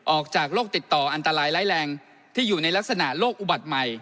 ออกจากโรคติดต่ออันตรายร้ายแรงที่อยู่ในลักษณะโรคอุบัติใหม่